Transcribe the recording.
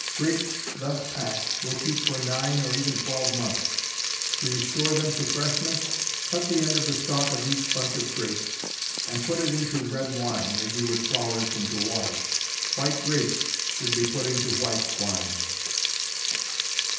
Grapes thus packed will keep for nine or even twelve months. To restore them to freshness, cut the end of the stalk of each bunch of grapes, and put it into red wine, as you would flowers into water. White grapes should be put into white wine.